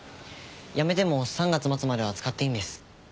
辞めても３月末までは使っていいんです。